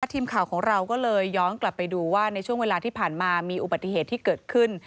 ทีมข่าวของเราก็เลยย้อนกลับไปดูว่าในช่วงเวลาที่ผ่านมามีอุบัติเหตุที่เกิดขึ้น